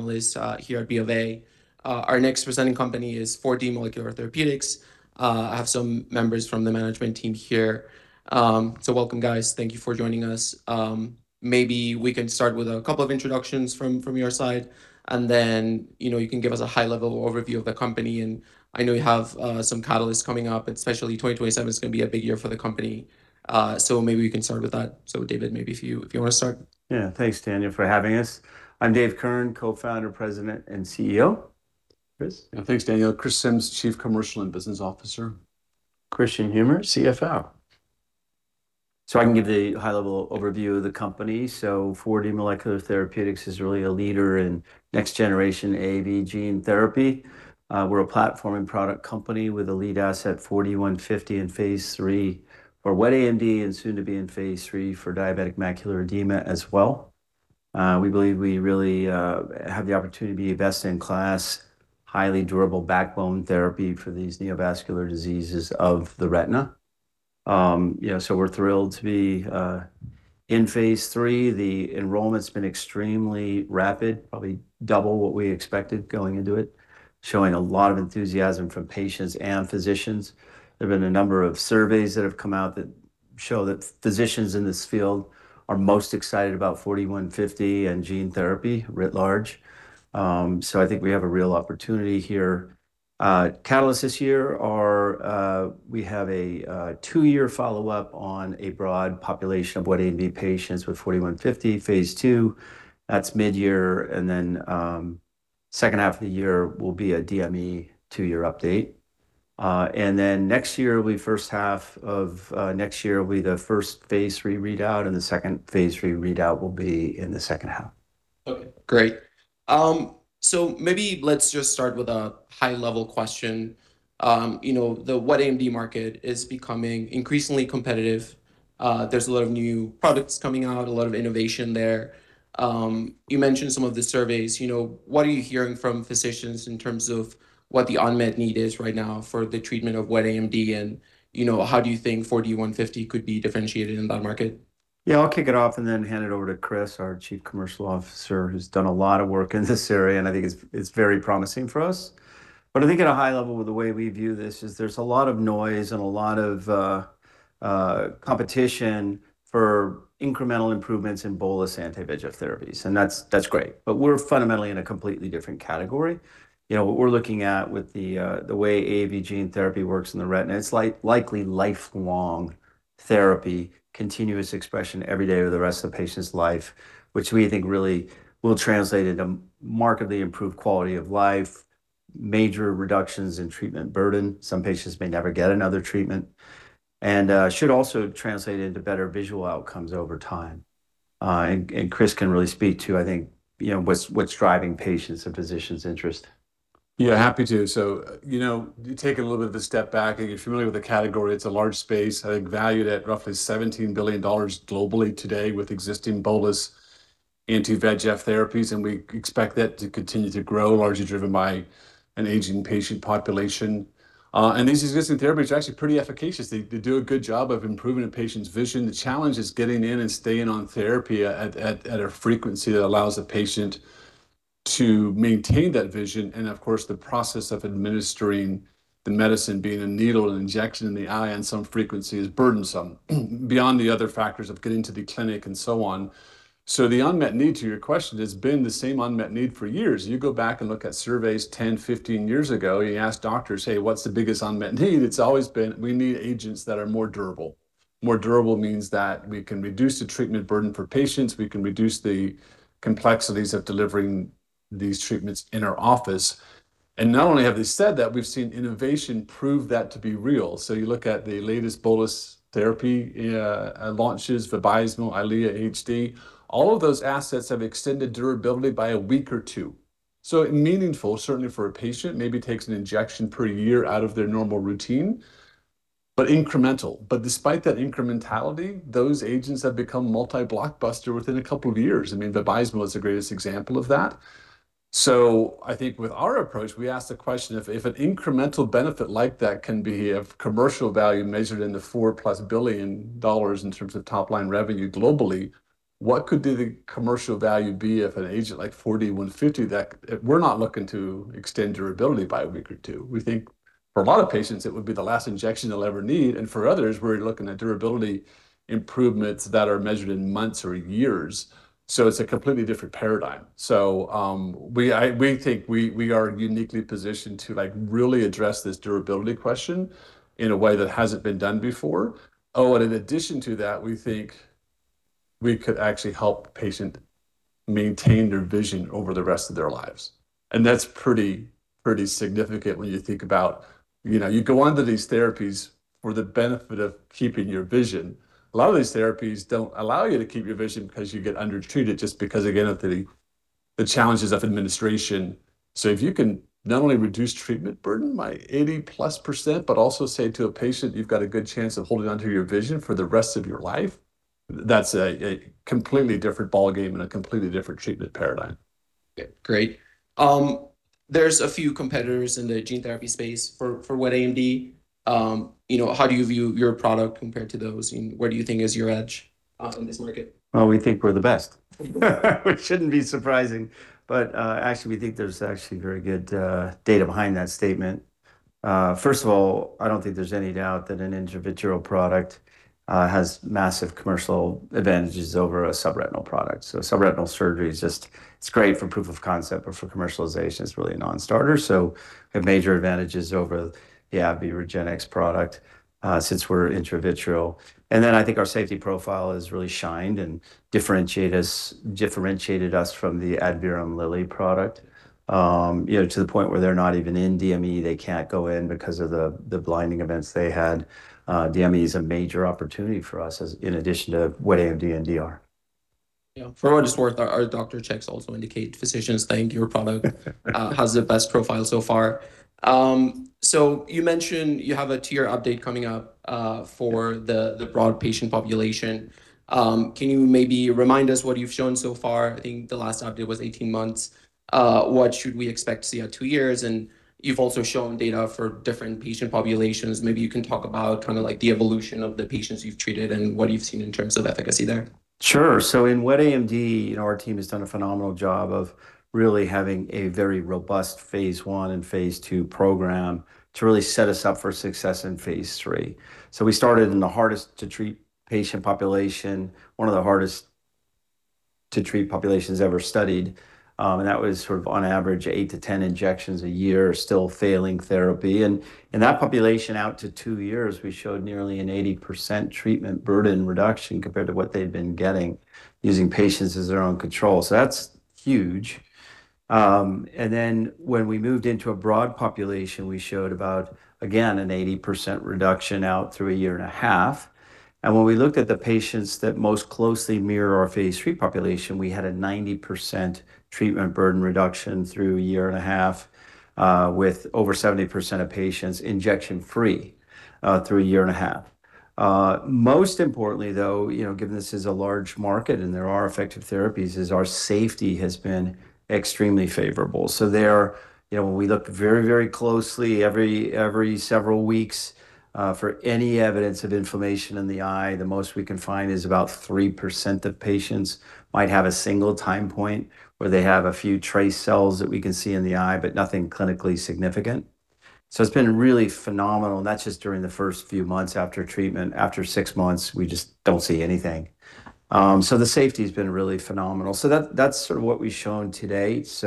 Analysts, here at BofA. Our next presenting company is 4D Molecular Therapeutics. I have some members from the management team here. Welcome guys, thank you for joining us. Maybe we can start with a couple of introductions from your side, and then, you know, you can give us a high-level overview of the company. I know you have some catalysts coming up, especially 2027 is gonna be a big year for the company. Maybe we can start with that. David, maybe if you want to start. Yeah. Thanks Daniel, for having us. I'm David Kirn, Co-founder, President and CEO. Chris? Yeah, thanks Daniel. Chris Simms, Chief Commercial and Business Officer. Kristian Humer, CFO. I can give the high level overview of the company. 4D Molecular Therapeutics is really a leader in next generation AAV gene therapy. We're a platform and product company with a lead asset 4D-150 in phase III for wet AMD, and soon to be in phase III for diabetic macular edema as well. We believe we really have the opportunity to be a best in class, highly durable backbone therapy for these neovascular diseases of the retina. You know, we're thrilled to be in phase III. The enrollment's been extremely rapid, probably double what we expected going into it, showing a lot of enthusiasm from patients and physicians. There have been a number of surveys that have come out that show that physicians in this field are most excited about 4D-150 and gene therapy writ large. I think we have a real opportunity here. Catalysts this year are, we have a two-year follow-up on a broad population of wet AMD patients with 4D-150 phase II. That's mid-year. second half of the year will be a DME two-year update. first half of next year will be the first phase III readout, and the second phase III readout will be in the second half. Okay, great. Maybe let's just start with a high level question. You know, the wet AMD market is becoming increasingly competitive. There's a lot of new products coming out, a lot of innovation there. You mentioned some of the surveys, you know, what are you hearing from physicians in terms of what the unmet need is right now for the treatment of wet AMD and, you know, how do you think 4D-150 could be differentiated in that market? Yeah, I'll kick it off and then hand it over to Chris, our Chief Commercial Officer, who's done a lot of work in this area. I think it's very promising for us. I think at a high level with the way we view this is there's a lot of noise and a lot of competition for incremental improvements in bolus anti-VEGF therapies. That's great. We're fundamentally in a completely different category. You know, what we're looking at with the way AAV gene therapy works in the retina, it's likely lifelong therapy, continuous expression every day for the rest of the patient's life, which we think really will translate into markedly improved quality of life, major reductions in treatment burden. Some patients may never get another treatment. Should also translate into better visual outcomes over time. Chris can really speak to, I think, you know, what's driving patients' and physicians' interest. Yeah, happy to. You know, taking a little bit of a step back, if you're familiar with the category, it's a large space, I think valued at roughly $17 billion globally today with existing bolus anti-VEGF therapies. We expect that to continue to grow, largely driven by an aging patient population. These existing therapies are actually pretty efficacious. They do a good job of improving a patient's vision. The challenge is getting in and staying on therapy at a frequency that allows the patient to maintain that vision. Of course, the process of administering the medicine, being a needle, an injection in the eye on some frequency is burdensome, beyond the other factors of getting to the clinic and so on. The unmet need to your question has been the same unmet need for years. You go back and look at surveys 10, 15 years ago, you ask doctors, "Hey, what's the biggest unmet need?" It's always been, "We need agents that are more durable." More durable means that we can reduce the treatment burden for patients. We can reduce the complexities of delivering these treatments in our office. Not only have they said that, we've seen innovation prove that to be real. You look at the latest bolus therapy launches, Vabysmo, Eylea HD, all of those assets have extended durability by a week or two. Meaningful, certainly for a patient, maybe takes an injection per year out of their normal routine, but incremental. Despite that incrementality, those agents have become multi-blockbuster within a couple of years. I mean, Vabysmo is the greatest example of that. I think with our approach, we ask the question, if an incremental benefit like that can be of commercial value measured into $4-plus billion in terms of top-line revenue globally, what could the commercial value be if an agent like 4D-150 that we're not looking to extend durability by a week or two? We think for a lot of patients, it would be the last injection they'll ever need, and for others, we're looking at durability improvements that are measured in months or years. It's a completely different paradigm. We think we are uniquely positioned to like really address this durability question in a way that hasn't been done before. In addition to that, we think we could actually help patient maintain their vision over the rest of their lives, and that's pretty significant when you think about, you know, you go onto these therapies for the benefit of keeping your vision. A lot of these therapies don't allow you to keep your vision because you get undertreated just because, again, of the challenges of administration. If you can not only reduce treatment burden by 80-plus%, but also say to a patient, "You've got a good chance of holding onto your vision for the rest of your life," that's a completely different ballgame and a completely different treatment paradigm. Yeah, great. There's a few competitors in the gene therapy space for wet AMD. You know, how do you view your product compared to those, and what do you think is your edge in this market? Well, we think we're the best. Which shouldn't be surprising, actually, we think there's actually very good data behind that statement. First of all, I don't think there's any doubt that an intravitreal product has massive commercial advantages over a subretinal product. Subretinal surgery is just, it's great for proof of concept, but for commercialization it's really a non-starter. We have major advantages over the REGENXBIO product since we're intravitreal. I think our safety profile has really shined and differentiate us, differentiated us from the Adverum Biotechnologies product, you know, to the point where they're not even in DME. They can't go in because of the blinding events they had. DME is a major opportunity for us as in addition to wet AMD and DR. Yeah. For what it's worth, our doctor checks also indicate physicians think your product has the best profile so far. You mentioned you have a two-year update coming up for the broad patient population. Can you maybe remind us what you've shown so far? I think the last update was 18 months. What should we expect to see at two years? You've also shown data for different patient populations. Maybe you can talk about kind of like the evolution of the patients you've treated and what you've seen in terms of efficacy there. Sure. In wet AMD, you know, our team has done a phenomenal job of really having a very robust phase I and phase II program to really set us up for success in phase III. We started in the hardest to treat patient population, one of the hardest to treat populations ever studied, and that was sort of on average 8-10 injections a year, still failing therapy. In that population out to two years, we showed nearly an 80% treatment burden reduction compared to what they'd been getting using patients as their own control. That's huge. When we moved into a broad population, we showed about, again, an 80% reduction out through a year and a half. When we looked at the patients that most closely mirror our phase III population, we had a 90% treatment burden reduction through a year and a half, with over 70% of patients injection-free, through a year and a half. Most importantly though, you know, given this is a large market and there are effective therapies, is our safety has been extremely favorable. There, you know, when we looked very, very closely every several weeks for any evidence of inflammation in the eye, the most we can find is about 3% of patients might have a single time point where they have a few trace cells that we can see in the eye, but nothing clinically significant. It's been really phenomenal, and that's just during the first few months after treatment. After six months, we just don't see anything. The safety's been really phenomenal. That, that's sort of what we've shown to date.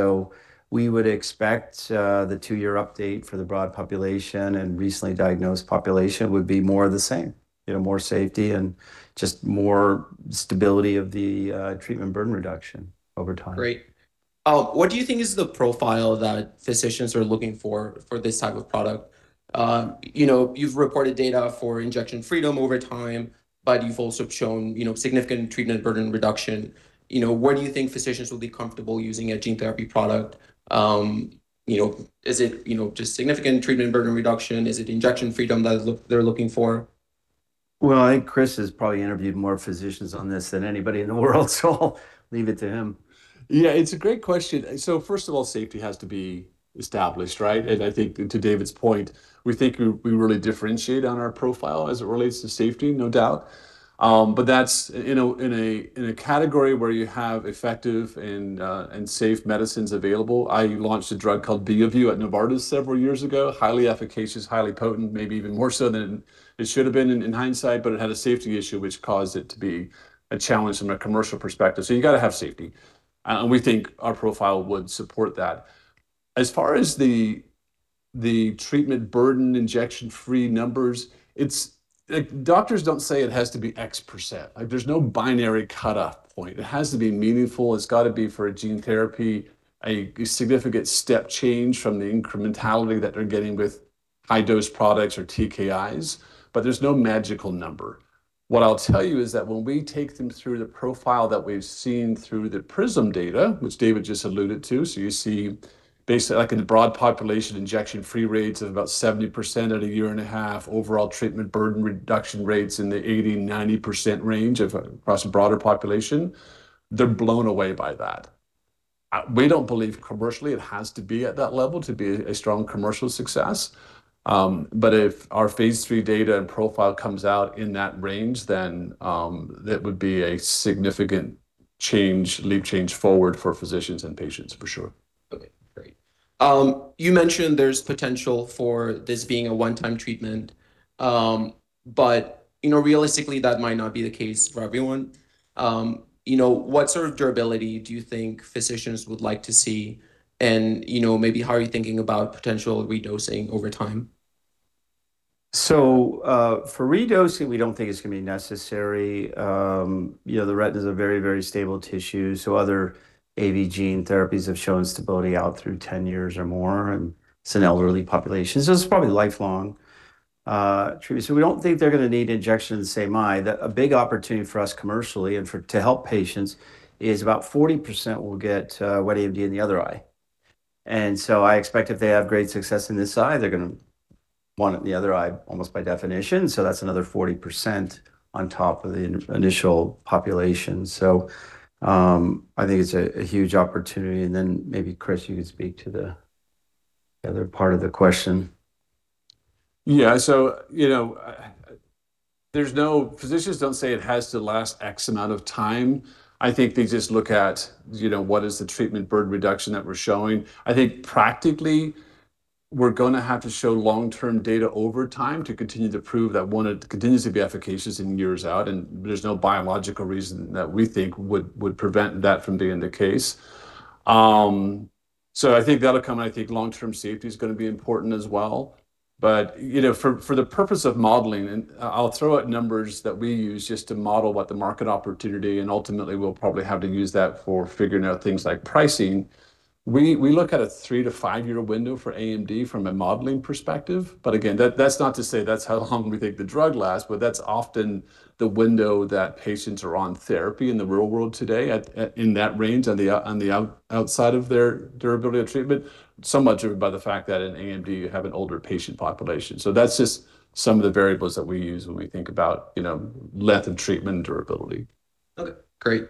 We would expect the two-year update for the broad population and recently diagnosed population would be more of the same. You know, more safety and just more stability of the treatment burden reduction over time. Great. What do you think is the profile that physicians are looking for for this type of product? You know, you've reported data for injection freedom over time, but you've also shown, you know, significant treatment burden reduction. You know, where do you think physicians will be comfortable using a gene therapy product? You know, is it, you know, just significant treatment burden reduction? Is it injection freedom that they're looking for? Well, I think Chris has probably interviewed more physicians on this than anybody in the world, so I'll leave it to him. Yeah, it's a great question. First of all, safety has to be established, right? I think, and to David's point, we really differentiate on our profile as it relates to safety, no doubt. That's in a, in a, in a category where you have effective and safe medicines available. I launched a drug called Beovu at Novartis several years ago. Highly efficacious, highly potent, maybe even more so than it should've been in hindsight, it had a safety issue which caused it to be a challenge from a commercial perspective. You gotta have safety, and we think our profile would support that. As far as the treatment burden, injection-free numbers, it's Like, doctors don't say it has to be X%. Like, there's no binary cutoff point. It has to be meaningful. It's gotta be, for a gene therapy, a significant step change from the incrementality that they're getting with high-dose products or TKIs. There's no magical number. What I'll tell you is that when we take them through the profile that we've seen through the PRISM data, which David just alluded to, you see basically like in the broad population, injection-free rates of about 70% at a year and a half, overall treatment burden reduction rates in the 80%-90% range across a broader population, they're blown away by that. We don't believe commercially it has to be at that level to be a strong commercial success. If our phase III data and profile comes out in that range, that would be a significant change, leap change forward for physicians and patients for sure. Okay. Great. You mentioned there's potential for this being a one-time treatment. You know, realistically, that might not be the case for everyone. You know, what sort of durability do you think physicians would like to see? You know, maybe how are you thinking about potential redosing over time? For redosing, we don't think it's gonna be necessary. You know, the retina's a very, very stable tissue, other AAV gene therapies have shown stability out through 10 years or more, and it's an elderly population. It's probably lifelong treatment. We don't think they're gonna need an injection in the same eye. A big opportunity for us commercially and for, to help patients is about 40% will get wet AMD in the other eye. I expect if they have great success in this eye, they're One or the other eye almost by definition, that's another 40% on top of the initial population. I think it's a huge opportunity, then maybe Chris, you could speak to the other part of the question. Yeah. You know, Physicians don't say it has to last X amount of time. I think they just look at, you know, what is the treatment burden reduction that we're showing. I think practically we're gonna have to show long-term data over time to continue to prove that one, it continues to be efficacious in years out, and there's no biological reason that we think would prevent that from being the case. I think that'll come, and I think long-term safety is gonna be important as well. You know, for the purpose of modeling, and I'll throw out numbers that we use just to model what the market opportunity, and ultimately we'll probably have to use that for figuring out things like pricing. We look at a three- to five-year window for AMD from a modeling perspective. Again, that's not to say that's how long we think the drug lasts, but that's often the window that patients are on therapy in the real world today at, in that range on the outside of their durability of treatment, so much of it by the fact that in AMD you have an older patient population. That's just some of the variables that we use when we think about, you know, length of treatment durability. Okay, great.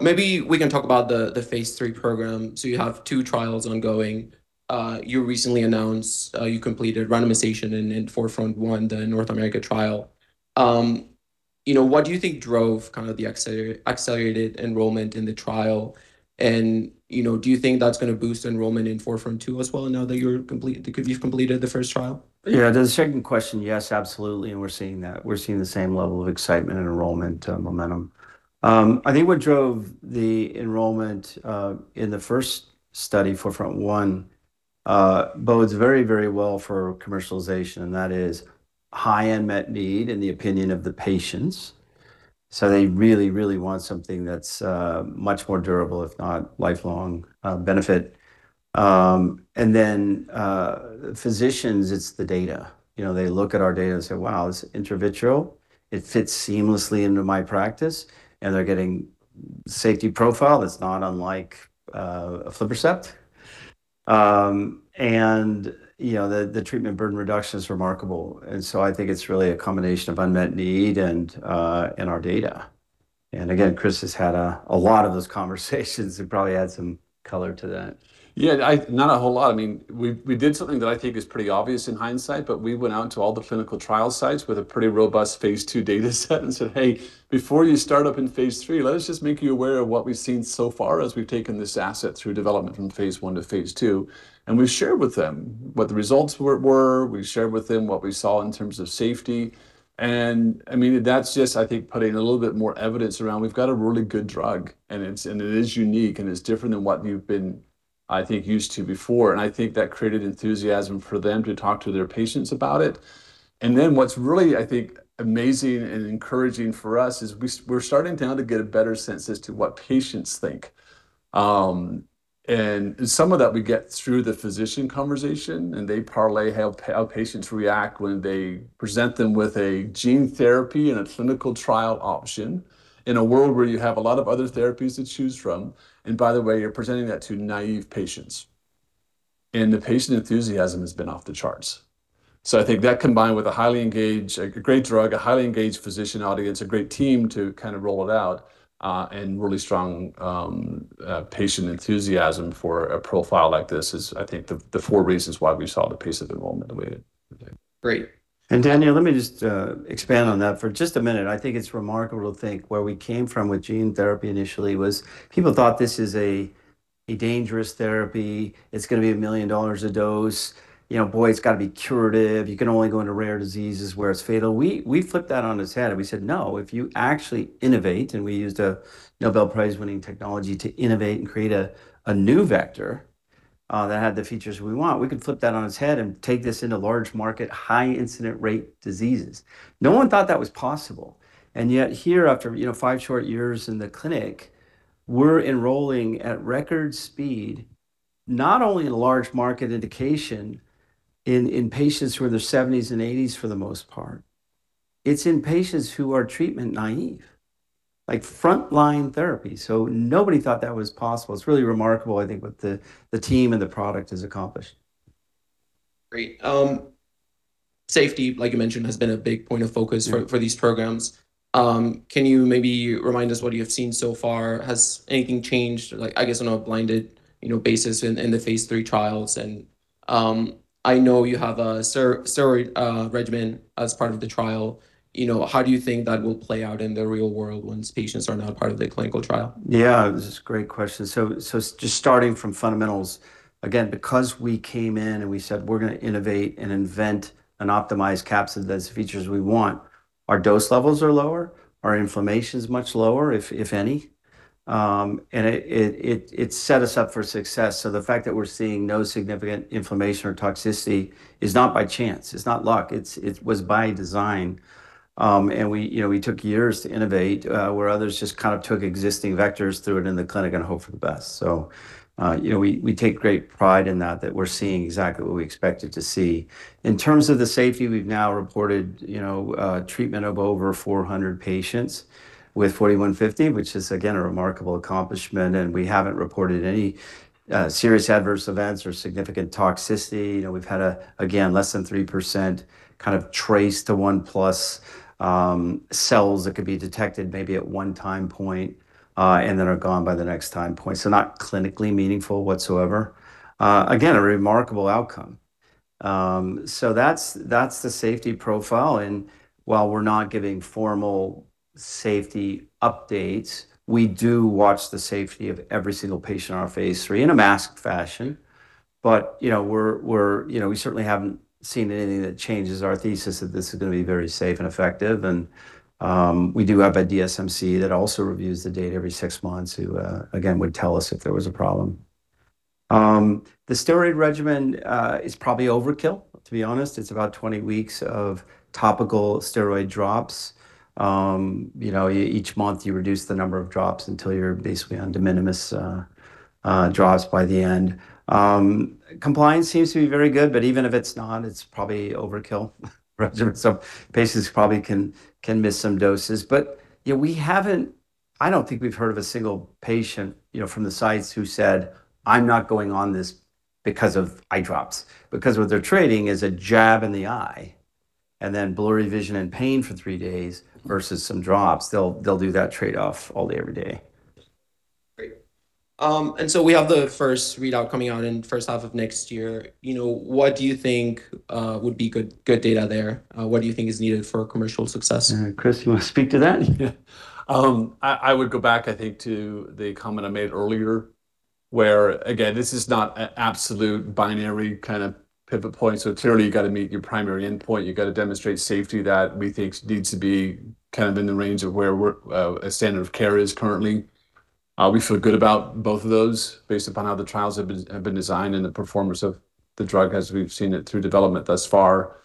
Maybe we can talk about the phase III program. You have two trials ongoing. You recently announced you completed randomization in 4FRONT-1, the North America trial. You know, what do you think drove kind of the accelerated enrollment in the trial, and, you know, do you think that's gonna boost enrollment in 4FRONT-2 as well now that you've completed the first trial? Yeah. To the second question, yes, absolutely, and we're seeing that. We're seeing the same level of excitement and enrollment momentum. I think what drove the enrollment in the first study 4FRONT-1 bodes very, very well for commercialization, and that is high unmet need in the opinion of the patients. They really, really want something that's much more durable, if not lifelong, benefit. Then physicians, it's the data. You know, they look at our data and say, "Wow, this is intravitreal. It fits seamlessly into my practice," and they're getting safety profile that's not unlike aflibercept. And, you know, the treatment burden reduction is remarkable. I think it's really a combination of unmet need and our data. Again, Chris has had a lot of those conversations and probably add some color to that. Yeah, I Not a whole lot. I mean, we did something that I think is pretty obvious in hindsight, but we went out into all the clinical trial sites with a pretty robust phase II data set and said, "Hey, before you start up in phase III, let us just make you aware of what we've seen so far as we've taken this asset through development from phase I to phase II," and we shared with them what the results were. We shared with them what we saw in terms of safety. I mean, that's just I think putting a little bit more evidence around. We've got a really good drug, and it is unique, and it's different than what you've been, I think, used to before. I think that created enthusiasm for them to talk to their patients about it. Then what's really, I think, amazing and encouraging for us is we're starting now to get a better sense as to what patients think. Some of that we get through the physician conversation, and they parlay how patients react when they present them with a gene therapy and a clinical trial option in a world where you have a lot of other therapies to choose from, and by the way, you're presenting that to naive patients. The patient enthusiasm has been off the charts. I think that combined with a highly engaged, a great drug, a highly engaged physician audience, a great team to kind of roll it out, and really strong patient enthusiasm for a profile like this is I think the four reasons why we saw the pace of enrollment the way that we did. Great. Daniel, let me just expand on that for just a minute. I think it's remarkable to think where we came from with gene therapy initially was people thought this is a dangerous therapy. It's gonna be $1 million a dose. Boy, it's got to be curative. You can only go into rare diseases where it's fatal. We flipped that on its head and we said, "No, if you actually innovate," and we used a Nobel Prize-winning technology to innovate and create a new vector that had the features we want. We could flip that on its head and take this into large market, high incident rate diseases. No one thought that was possible, and yet here after, you know, five short years in the clinic, we're enrolling at record speed, not only in large market indication in patients who are in their 70s and 80s for the most part. It's in patients who are treatment naive, like frontline therapy. Nobody thought that was possible. It's really remarkable, I think, what the team and the product has accomplished. Great. safety, like you mentioned, has been a big point of focus for- for these programs. Can you maybe remind us what you have seen so far? Has anything changed, like I guess on a blinded, you know, basis in the phase III trials? I know you have a steroid regimen as part of the trial. You know, how do you think that will play out in the real world once patients are now part of the clinical trial? Yeah. This is a great question. Just starting from fundamentals, again, because we came in and we said we're gonna innovate and invent an optimized capsid that has the features we want, our dose levels are lower, our inflammation is much lower, if any. It set us up for success. The fact that we're seeing no significant inflammation or toxicity is not by chance. It's not luck. It was by design. We, you know, we took years to innovate where others just kind of took existing vectors, threw it in the clinic and hoped for the best. You know, we take great pride in that we're seeing exactly what we expected to see. In terms of the safety, we've now reported, you know, treatment of over 400 patients with 4D-150, which is again, a remarkable accomplishment, and we haven't reported any serious adverse events or significant toxicity. You know, we've had a, again, less than 3% kind of trace to one plus cells that could be detected maybe at one time point, and then are gone by the next time point. Not clinically meaningful whatsoever. Again, a remarkable outcome. That's, that's the safety profile. While we're not giving formal safety updates, we do watch the safety of every single patient on our phase III in a masked fashion. You know, we certainly haven't seen anything that changes our thesis that this is gonna be very safe and effective. We do have a DSMC that also reviews the data every six months who, again, would tell us if there was a problem. The steroid regimen is probably overkill, to be honest. It's about 20 weeks of topical steroid drops. You know, each month you reduce the number of drops until you're basically on de minimis drops by the end. Compliance seems to be very good, but even if it's not, it's probably overkill regimen. Patients probably can miss some doses. Yeah, we haven't I don't think we've heard of a single patient, you know, from the sites who said, "I'm not going on this because of eye drops." What they're trading is a jab in the eye and then blurry vision and pain for three days versus some drops. They'll do that trade-off all day, every day. Great. We have the first readout coming out in first half of next year. You know, what do you think would be good data there? What do you think is needed for commercial success? Chris, you wanna speak to that? I would go back, I think, to the comment I made earlier where, again, this is not a absolute binary kind of pivot point. Clearly you gotta meet your primary endpoint. You gotta demonstrate safety that we think needs to be kind of in the range of where we're a standard of care is currently. We feel good about both of those based upon how the trials have been designed and the performance of the drug as we've seen it through development thus far.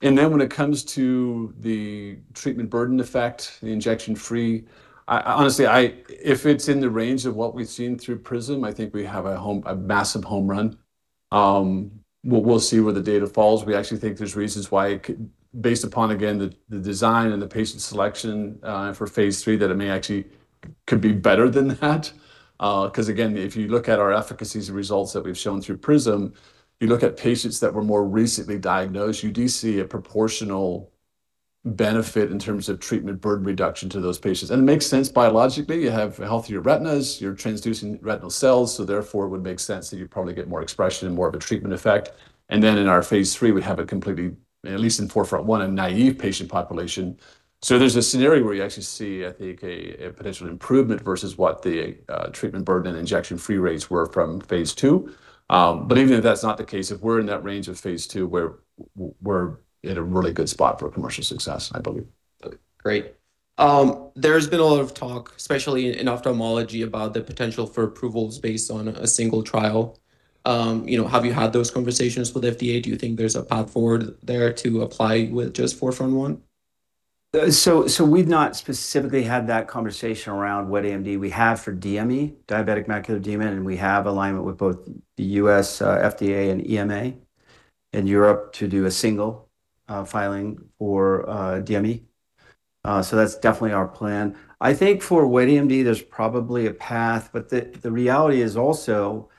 When it comes to the treatment burden effect, the injection free, honestly, if it's in the range of what we've seen through PRISM, I think we have a massive home run. We'll see where the data falls. We actually think there's reasons why it could, based upon, again, the design and the patient selection for phase III, that it may actually could be better than that. 'Cause again, if you look at our efficacy results that we've shown through PRISM, you look at patients that were more recently diagnosed, you do see a proportional benefit in terms of treatment burden reduction to those patients. It makes sense biologically. You have healthier retinas. You're transducing retinal cells, therefore it would make sense that you'd probably get more expression and more of a treatment effect. Then in our phase III, we have a completely, at least in 4FRONT-1, a naive patient population. There's a scenario where you actually see, I think a potential improvement versus what the treatment burden and injection-free rates were from phase II. Even if that's not the case, if we're in that range of phase II, we're in a really good spot for commercial success, I believe. Great. There's been a lot of talk, especially in ophthalmology, about the potential for approvals based on a single trial. You know, have you had those conversations with FDA? Do you think there's a path forward there to apply with just 4FRONT-1? We've not specifically had that conversation around wet AMD. We have for DME, diabetic macular edema, and we have alignment with both the U.S. FDA and EMA in Europe to do a single filing for DME. That's definitely our plan. I think for wet AMD, there's probably a path, but the reality is also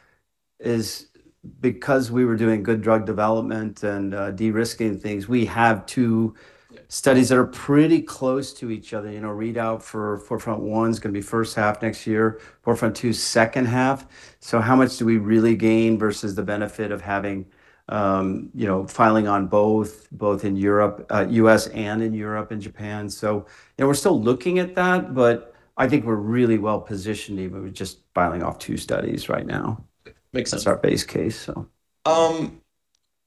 because we were doing good drug development and de-risking things, we have two studies that are pretty close to each other. You know, readout for 4FRONT-1's gonna be first half next year, 4FRONT-2 second half. How much do we really gain versus the benefit of having, you know, filing on both in Europe, U.S. and in Europe and Japan? You know, we're still looking at that, but I think we're really well-positioned even with just filing off two studies right now. Makes sense. That's our base case.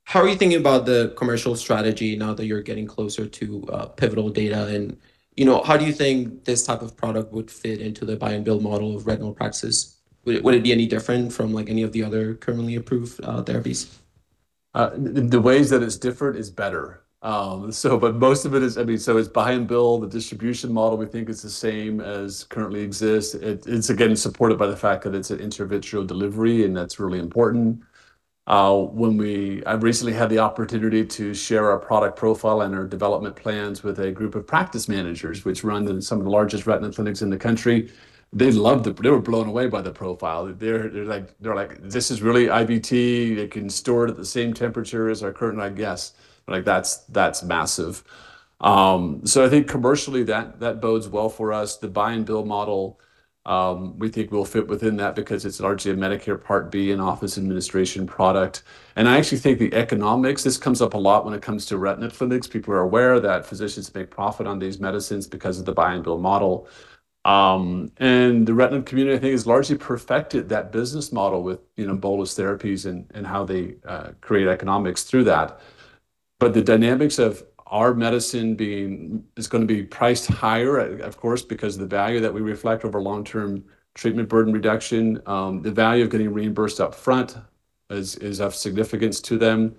How are you thinking about the commercial strategy now that you're getting closer to pivotal data? You know, how do you think this type of product would fit into the buy and bill model of retinal practices? Would it be any different from, like, any of the other currently approved therapies? The ways that it's different is better. Most of it is, I mean, it's buy and bill. The distribution model, we think, is the same as currently exists. It's, again, supported by the fact that it's an intravitreal delivery, and that's really important. When I've recently had the opportunity to share our product profile and our development plans with a group of practice managers, which run some of the largest retina clinics in the country. They were blown away by the profile. They're like, "This is really IVT. It can store it at the same temperature as our current eye injections." Like, that's massive. I think commercially that bodes well for us. The buy and bill model, we think will fit within that because it's largely a Medicare Part B and office administration product. I actually think the economics, this comes up a lot when it comes to retina clinics. People are aware that physicians make profit on these medicines because of the buy and bill model. The retina community, I think, has largely perfected that business model with, you know, bolus therapies and how they create economics through that. The dynamics of our medicine is gonna be priced higher, of course, because the value that we reflect over long-term treatment burden reduction, the value of getting reimbursed up front is of significance to them.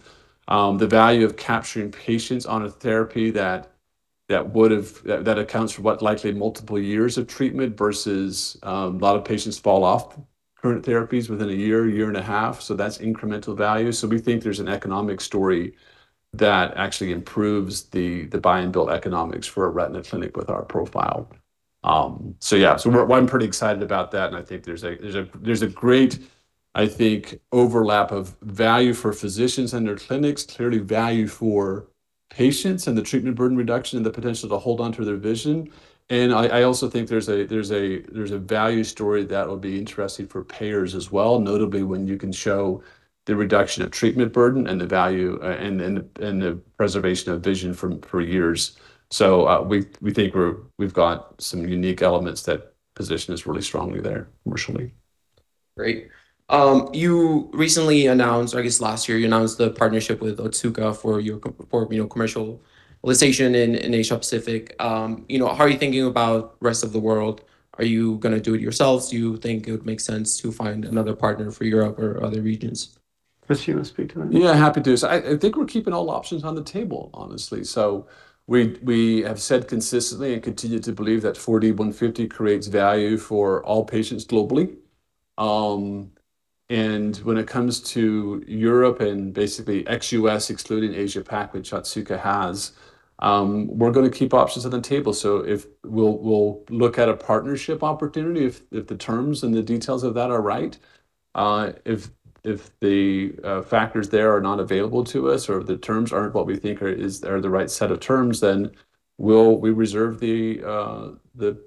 The value of capturing patients on a therapy that accounts for what likely multiple years of treatment versus a lot of patients fall off current therapies within 1 year, one and a half years. That's incremental value. We think there's an economic story that actually improves the buy and bill economics for a retina clinic with our profile. Yeah. I'm pretty excited about that, and I think there's a great, I think, overlap of value for physicians and their clinics, clearly value for patients and the treatment burden reduction and the potential to hold onto their vision. I also think there's a value story that'll be interesting for payers as well, notably when you can show the reduction of treatment burden and the value and the preservation of vision for years. We think we've got some unique elements that position us really strongly there commercially. Great. You recently announced, or I guess last year you announced the partnership with Otsuka for your for, you know, commercial realization in Asia Pacific. You know, how are you thinking about rest of the world? Are you gonna do it yourselves? Do you think it would make sense to find another partner for Europe or other regions? Chris, you wanna speak to that? Yeah, happy to. I think we're keeping all options on the table, honestly. We have said consistently and continue to believe that 4D-150 creates value for all patients globally. When it comes to Europe and basically ex-U.S. excluding Asia Pac, which Otsuka has, we're gonna keep options on the table. If we'll look at a partnership opportunity if the terms and the details of that are right. If the factors there are not available to us or the terms aren't what we think are the right set of terms, we reserve the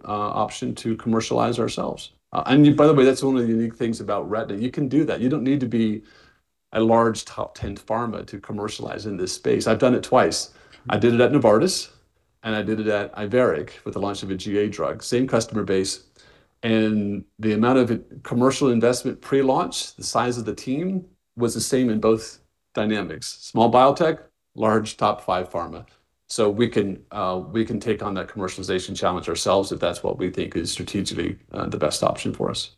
option to commercialize ourselves. By the way, that's one of the unique things about retina. You can do that. You don't need to be a large top 10 pharma to commercialize in this space. I've done it twice. I did it at Novartis, and I did it at Iveric with the launch of a GA drug. Same customer base. The amount of commercial investment pre-launch, the size of the team, was the same in both dynamics. Small biotech, large top five pharma. We can, we can take on that commercialization challenge ourselves if that's what we think is strategically the best option for us.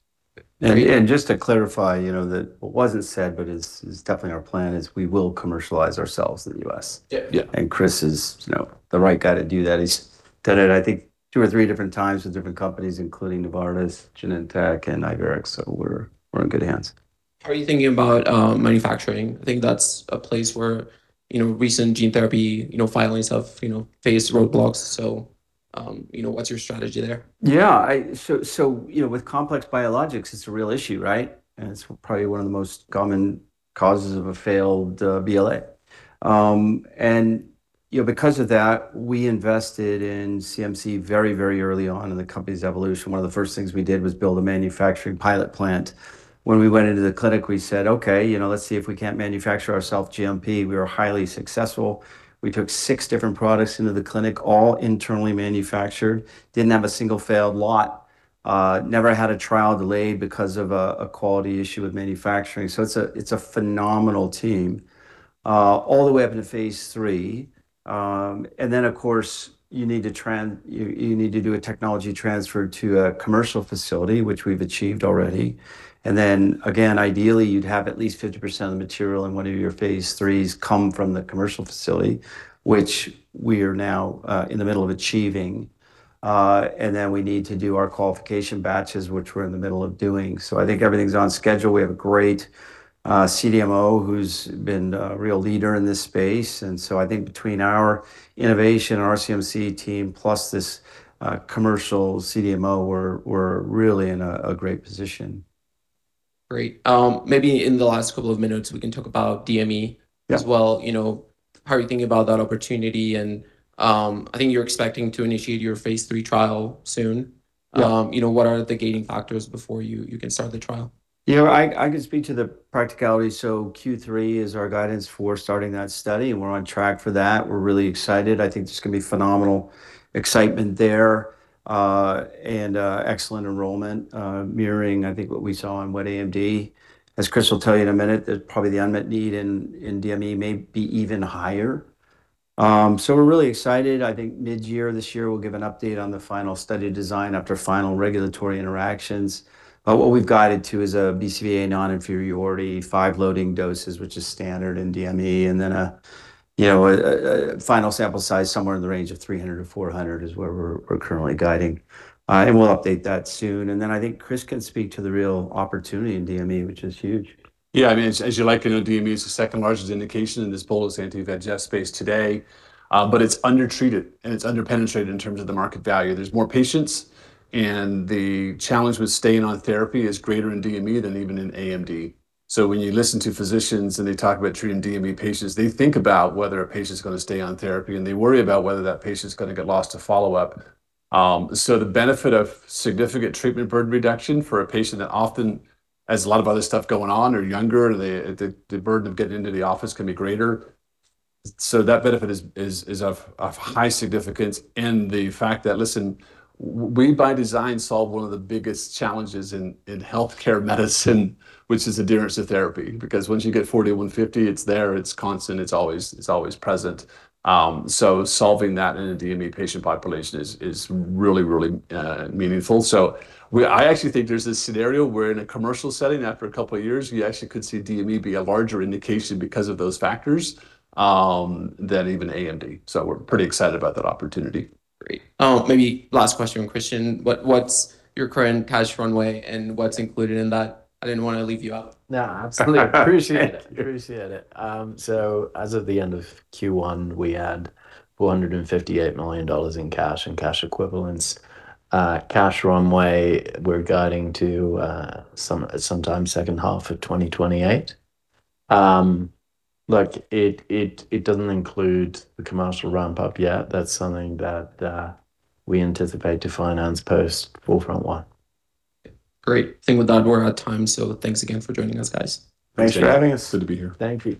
Just to clarify, you know, that what wasn't said but is definitely our plan is we will commercialize ourselves in the U.S. Yeah. Chris is, you know, the right guy to do that. He's done it I think two or three different times with different companies, including Novartis, Genentech, and Iveric, so we're in good hands. How are you thinking about manufacturing? I think that's a place where, you know, recent gene therapy, you know, filings have, you know, faced roadblocks. You know, what's your strategy there? Yeah. I, so, you know, with complex biologics, it's a real issue, right? It's probably one of the most common causes of a failed BLA. You know, because of that, we invested in CMC very, very early on in the company's evolution. One of the first things we did was build a manufacturing pilot plant. When we went into the clinic, we said, "Okay, you know, let's see if we can't manufacture ourself GMP." We were highly successful. We took six different products into the clinic, all internally manufactured. Didn't have a single failed lot. Never had a trial delayed because of a quality issue with manufacturing. It's a, it's a phenomenal team all the way up into phase III. Of course you need to do a technology transfer to a commercial facility, which we've achieved already. Again, ideally you'd have at least 50% of the material in one of your phase III come from the commercial facility, which we are now in the middle of achieving. We need to do our qualification batches, which we're in the middle of doing. I think everything's on schedule. We have a great CDMO who's been a real leader in this space. I think between our innovation, our CMC team, plus this commercial CDMO, we're really in a great position. Great. Maybe in the last couple of minutes we can talk about DME. Yeah as well. You know, how are you thinking about that opportunity? I think you're expecting to initiate your phase III trial soon. Yeah. You know, what are the gating factors before you can start the trial? You know, I can speak to the practicality. Q3 is our guidance for starting that study, and we're on track for that. We're really excited. I think there's gonna be phenomenal excitement there, and excellent enrollment, mirroring I think what we saw on wet AMD. As Chris will tell you in a minute, the, probably the unmet need in DME may be even higher. We're really excited. I think mid-year this year we'll give an update on the final study design after final regulatory interactions. What we've guided to is a BCVA non-inferiority, five loading doses, which is standard in DME, and then a, you know, a final sample size somewhere in the range of 300 or 400 is where we're currently guiding. We'll update that soon. I think Chris can speak to the real opportunity in DME, which is huge. Yeah, I mean, as you likely know, DME is the second largest indication in this bolus anti-VEGF space today. It's undertreated and it's under-penetrated in terms of the market value. There's more patients, the challenge with staying on therapy is greater in DME than even in AMD. When you listen to physicians and they talk about treating DME patients, they think about whether a patient's gonna stay on therapy, they worry about whether that patient's gonna get lost to follow-up. The benefit of significant treatment burden reduction for a patient that often has a lot of other stuff going on or younger, the burden of getting into the office can be greater. That benefit is of high significance. The fact that, listen, we by design solve one of the biggest challenges in healthcare medicine, which is adherence to therapy. Once you get 4D-150, it's there, it's constant, it's always present. Solving that in a DME patient population is really meaningful. We, I actually think there's this scenario where in a commercial setting, after a couple of years, you actually could see DME be a larger indication because of those factors than even AMD. We're pretty excited about that opportunity. Great. Maybe last question, Kristian. What's your current cash runway, and what's included in that? I didn't wanna leave you out. No, absolutely. Appreciate it. Appreciate it. As of the end of Q1, we had $458 million in cash and cash equivalents. Cash runway, we're guiding to sometime second half of 2028. like, it doesn't include the commercial ramp-up yet. That's something that we anticipate to finance post 4FRONT-1. Great. Think with that we're out of time, so thanks again for joining us, guys. Thanks for having us. Good to be here. Thank you.